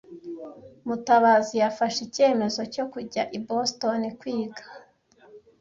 Mutabazi yafashe icyemezo cyo kujya i Boston kwiga.